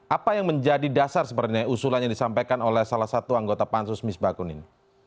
apa yang menjadi dasar sebenarnya usulannya disampaikan oleh salah satu anggota pansus miss bakunin